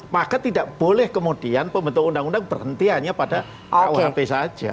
maka tidak boleh kemudian pembentuk undang undang berhenti hanya pada kuhp saja